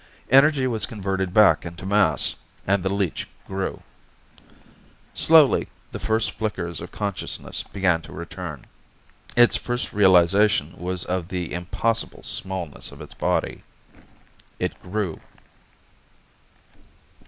Energy was converted back into mass, and the leech grew. Slowly, the first flickers of consciousness began to return. Its first realization was of the impossible smallness of its body. It grew.